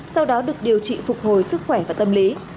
sau đó được điều trị phục hồi sức khỏe và tâm lý